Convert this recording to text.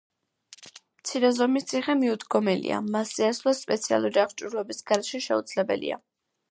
მცირე ზომის ციხე მიუდგომელია, მასზე ასვლა სპეციალური აღჭურვილობის გარეშე შეუძლებელია.